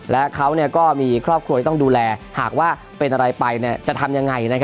และเขาก็มีครอบครัวที่ต้องดูแลหากว่าเป็นอะไรไปจะทำยังไง